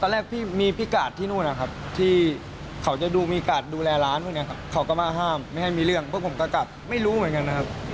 แรกพี่มีพี่กาดที่นู่นนะครับที่เขาจะดูมีกาดดูแลร้านพวกนี้ครับเขาก็มาห้ามไม่ให้มีเรื่องพวกผมก็กลับไม่รู้เหมือนกันนะครับ